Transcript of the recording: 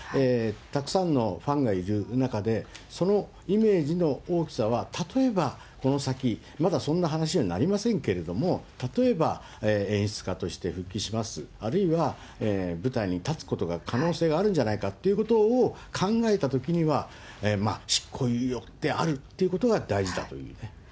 たくさんのファンがいる中で、そのイメージの大きさは、例えばこの先、まだそんな話にはなりませんけども、例えば、演出家として復帰します、あるいは舞台に立つことが可能性があるんじゃないかっていうことを考えたときには、まあ、執行猶予であるっていうことが大事だと思っている。